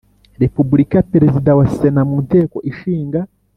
Repubulika perezida wa sena mu nteko ishinga